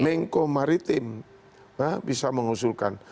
mengko maritim bisa mengusulkan